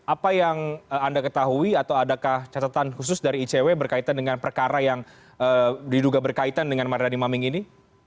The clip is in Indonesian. apa yang anda ketahui atau adakah catatan khusus dari icw berkaitan dengan perkara yang diduga berkaitan dengan mardani maming ini